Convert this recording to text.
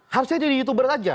harusnya jadi youtuber aja